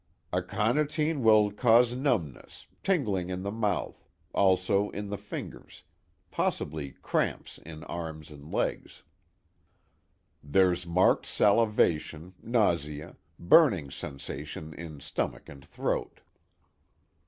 "Aconitine will cause numbness, tingling in the mouth, also in the fingers, possibly cramps in arms and legs. There's marked salivation, nausea, burning sensation in stomach and throat."